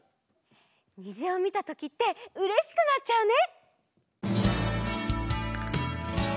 にじをみたときってうれしくなっちゃうね！